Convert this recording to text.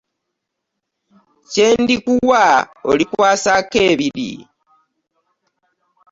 Kye ndikuwa olikwasaako ebiri .